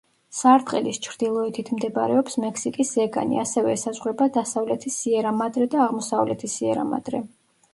სარტყელის ჩრდილოეთით მდებარეობს მექსიკის ზეგანი, ასევე ესაზღვრება დასავლეთი სიერა-მადრე და აღმოსავლეთი სიერა-მადრე.